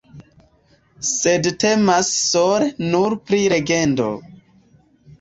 Sed temas sole nur pri legendo.